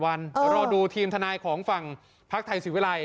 วันที่จะรอดูทีมธนายของฝั่งภาคไทยศิริวิรัย